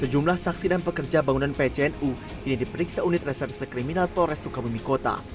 sejumlah saksi dan pekerja bangunan pcnu ini diperiksa unit reserse kriminal tores sukabumi kota